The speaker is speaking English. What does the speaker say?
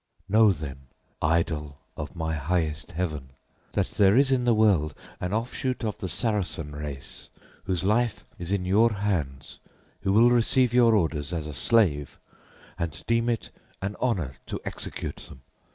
"Know, then, idol of my highest heaven, that there is in the world an offshoot of the Saracen race, whose life is in your hands, who will receive your orders as a slave, and deem it an honor to execute them.